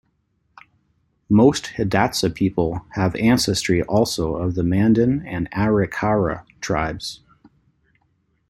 Most Hidatsa people have ancestry also of the Mandan and Arikara tribes.